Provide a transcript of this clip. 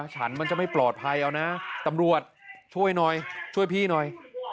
ฉันมันจะไม่ปลอดภัยเอานะตำรวจช่วยหน่อยช่วยพี่หน่อย